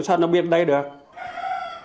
làm sao nó biến đây được